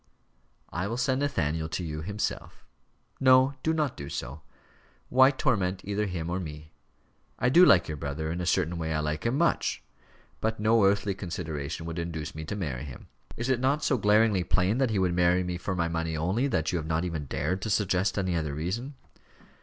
"I will send Nathaniel to you himself." "No, do not do so. Why torment either him or me? I do like your brother; in a certain way I like him much. But no earthly consideration would induce me to marry him. Is it not so glaringly plain that he would marry me for my money only, that you have not even dared to suggest any other reason?"